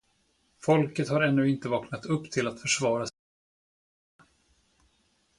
Folket har ännu inte vaknat upp till att försvara sina rättigheter.